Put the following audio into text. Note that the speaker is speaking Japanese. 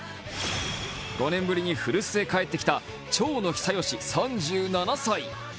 ５年ぶりに古巣へ帰ってきた長野久義３７歳。